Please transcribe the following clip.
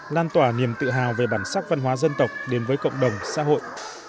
lan tỏa niềm tự hào về bản sắc văn hóa dân tộc đến với cộng đồng xã hội